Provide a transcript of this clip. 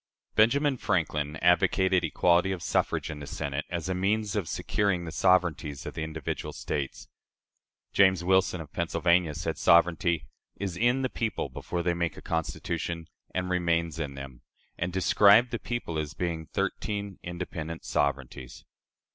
Benjamin Franklin advocated equality of suffrage in the Senate as a means of securing "the sovereignties of the individual States." James Wilson, of Pennsylvania, said sovereignty "is in the people before they make a Constitution, and remains in them," and described the people as being "thirteen independent sovereignties."